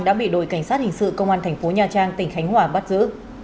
đã bị đội cảnh sát hình sự công an thành phố nha trang tỉnh khánh hòa bắt giữ